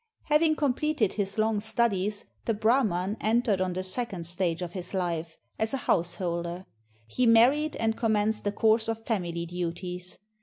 Having completed his long studies, the Brahman entered on the second stage of his life, as a householder. He married and commenced a course of family duties.